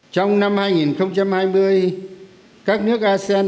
trong năm hai nghìn hai mươi các nước asean